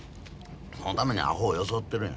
そのためにアホを装ってるんや。